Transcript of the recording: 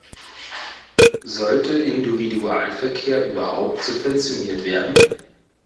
Sollte Individualverkehr überhaupt subventioniert werden?